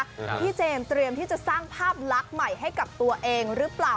พี่เจมส์เตรียมที่จะสร้างภาพลักษณ์ใหม่ให้กับตัวเองหรือเปล่า